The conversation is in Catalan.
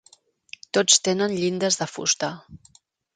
Tots tenen llindes de fusta.